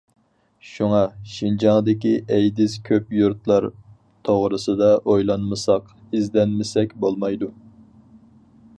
شۇڭا، شىنجاڭدىكى ئەيدىز كۆپ يۇرتلار توغرىسىدا ئويلانمىساق، ئىزدەنمىسەك بولمايدۇ.